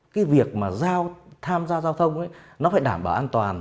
cái việc mà tham gia giao thông ấy nó phải đảm bảo an toàn